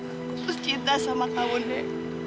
aku terus cinta sama kamu nek